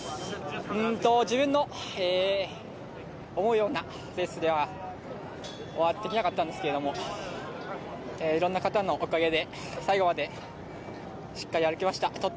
自分の思うようなレースをできなかったんですけどいろんな方のおかげで最後までしっかり歩けました。